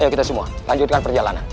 ayo kita semua lanjutkan perjalanan